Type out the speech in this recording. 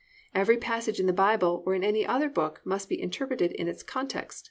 Every passage in the Bible, or in any other book, must be interpreted in its context.